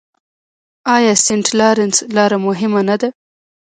آیا سینټ لارنس لاره مهمه نه ده؟